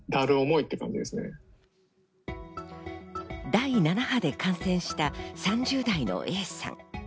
第７波で感染した３０代のＡさん。